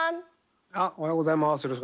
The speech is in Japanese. おはようございます。